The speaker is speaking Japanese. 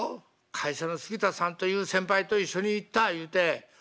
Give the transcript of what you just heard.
会社の杉田さんという先輩と一緒に行ったいうて。